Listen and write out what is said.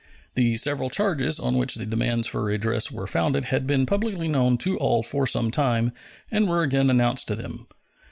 The several charges on which the demands for redress were founded had been publicly known to all for some time, and were again announced to them.